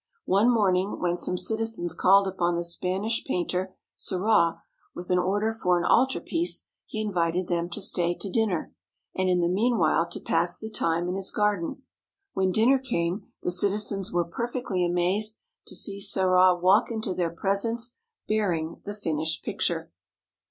One morning when some citizens called upon the Spanish painter Serra with an order for an altarpiece, he invited them to stay to dinner, and in the mean while to pass the time in his garden. When dinner time came, the citizens were perfectly amazed to see Serra walk into their presence bearing the finished picture.